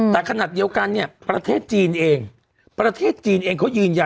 แต่ขนาดเดียวกันเนี่ยประเทศจีนเอง